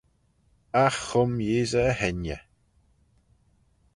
Agh chum Yeesey e hengey.